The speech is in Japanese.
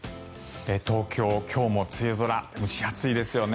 東京、今日も梅雨空蒸し暑いですよね。